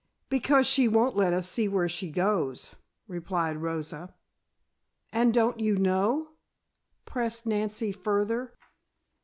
"Because she won't let us see where she goes," replied Rosa. "And don't you know?" pressed Nancy further.